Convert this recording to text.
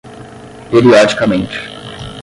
periodicamente